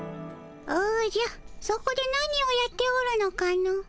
おじゃそこで何をやっておるのかの？